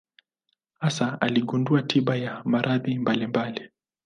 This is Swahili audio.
Hasa aligundua tiba ya maradhi mbalimbali.